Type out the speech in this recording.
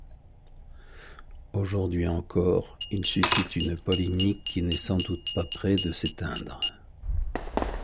Aujourd'hui encore, il suscite une polémique qui n'est sans doute pas près de s'éteindre.